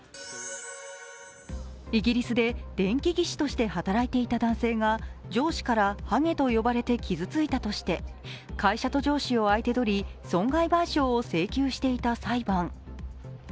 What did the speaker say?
イギリスで電気技師として働いていた男性が上司から「はげ」と呼ばれて傷ついたとして会社と上司を相手取り損害賠償を請求していた裁判。